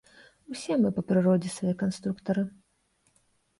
Усе мы па прыродзе сваёй канструктары.